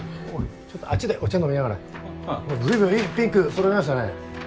ちょっとあっちでお茶飲みながら随分いいピンク揃いましたね